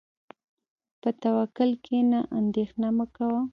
په توکل کښېنه، اندېښنه مه کوه.